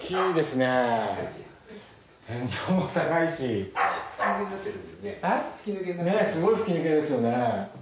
ねぇすごい吹き抜けですよね。